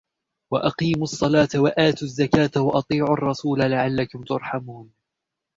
وأقيموا الصلاة وآتوا الزكاة وأطيعوا الرسول لعلكم ترحمون